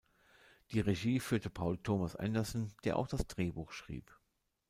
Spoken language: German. Die Regie führte Paul Thomas Anderson, der auch das Drehbuch schrieb.